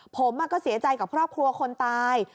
ผมก็เสียใจกับครอบครัวคนตาย